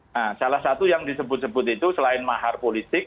nah salah satu yang disebut sebut itu selain mahar politik